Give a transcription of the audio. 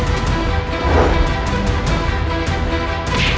tetapi aku yakin